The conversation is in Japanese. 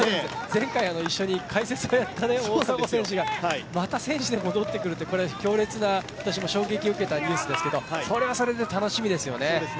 前回一緒に解説をやった大迫選手が、また選手で戻ってくるって強烈な衝撃を受けたニュースですけれども、それはそれで楽しみですよね。